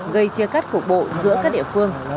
gây chia cắt khổ bộ giữa các địa phương